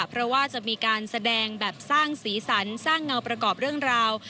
เพราะว่าจะมีการแสดงแบบสร้างสีสันสร้างเงาประกอบเรื่องราว